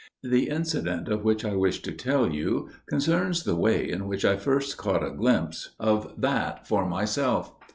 The incident of which I wish to tell you concerns the way in which I first caught a glimpse of that for myself.